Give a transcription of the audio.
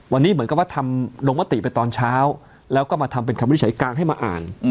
วันนี้เหมือนกับว่าทำลงมติไปตอนเช้าแล้วก็มาทำเป็นคำวินิจฉัยกลางให้มาอ่าน